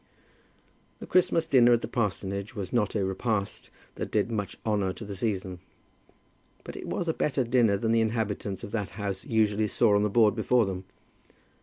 The Christmas dinner at the parsonage was not a repast that did much honour to the season, but it was a better dinner than the inhabitants of that house usually saw on the board before them.